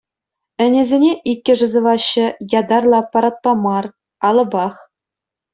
Ӗнесене иккӗшӗ сӑваҫҫӗ, ятарлӑ аппаратпа мар, алӑпах.